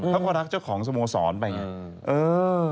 เขาก็รักเจ้าของสโมสรไปไง